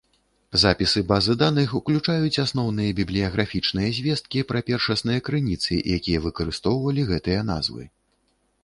Запісы базы даных уключаюць асноўныя бібліяграфічныя звесткі пра першасныя крыніцы, якія выкарыстоўвалі гэтыя назвы.